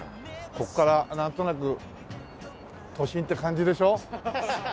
ここからなんとなく都心って感じでしょ？